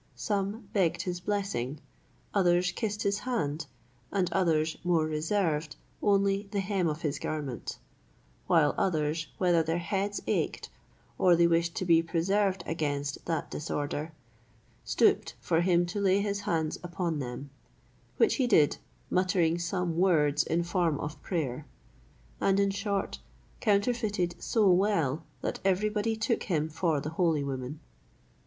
Some begged his blessing, others kissed his hand, and others, more reserved, only the hem of his garment; while others, whether their heads ached, or they wished to be preserved against that disorder, stooped for him to lay his hands upon them; which he did, muttering some words in form of prayer; and, in short, counterfeited so well, that everybody took him for the holy woman.